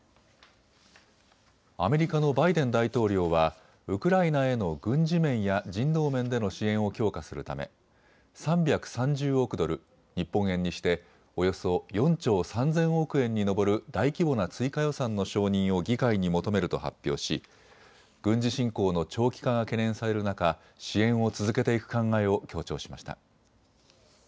アメリカのバイデン大統領はウクライナへの軍事面や人道面での支援を強化するため３３０億ドル、日本円にしておよそ４兆３０００億円に上る大規模な追加予算の承認を議会に求めると発表し軍事侵攻の長期化が懸念される中、支援を続けていく考えを強調しました。